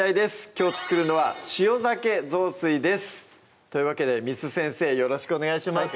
きょう作るのは「塩鮭ぞうすい」ですというわけで簾先生よろしくお願いします